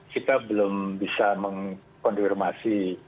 kita belum bisa mengkonfirmasi